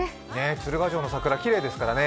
鶴ヶ城の桜きれいですからね。